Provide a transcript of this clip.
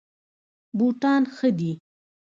بوټان ښه دي.